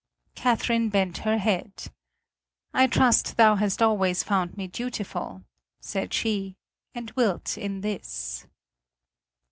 Catherine bent her head. "I trust thou hast always found me dutiful," said she, "and wilt in this."